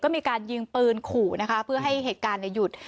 มีการยิงปืนขู่นะคะเพื่อให้เหตุการณ์หยุด